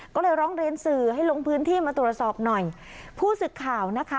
ก็เลยร้องเรียนสื่อให้ลงพื้นที่มาตรวจสอบหน่อยผู้สึกข่าวนะคะ